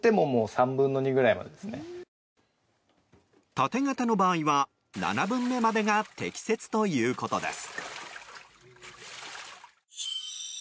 縦型の場合は７分目までが適切ということです。